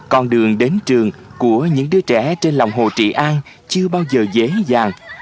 con đường đến trường của những đứa trẻ trên lòng hồ trị an chưa bao giờ dễ dàng